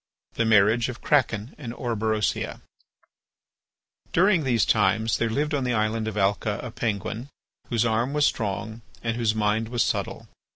THE MARRIAGE OF KRAKEN AND ORBEROSIA During these times there lived in the island of Alca a Penguin whose arm was strong and whose mind was subtle.